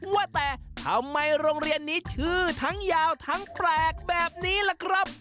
ว่าแต่ทำไมโรงเรียนนี้ชื่อทั้งยาวทั้งแปลกแบบนี้ล่ะครับ